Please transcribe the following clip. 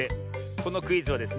このクイズはですね